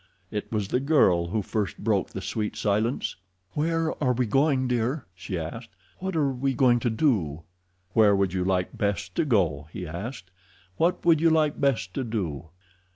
It was the girl who first broke the sweet silence. "Where are we going, dear?" she asked. "What are we going to do?" "Where would you like best to go?" he asked. "What would you like best to do?"